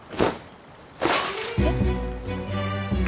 えっ？